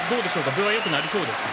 分はよくなりそうですか？